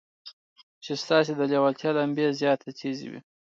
چې ستاسې د لېوالتیا لمبې لا تېزوي.